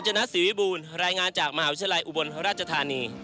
และเหรียญทองแดงมหาวิทยาลัยธรรมศาสตร์